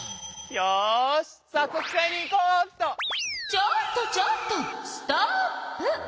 ちょっとちょっとストップ！